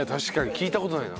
聞いた事ないな。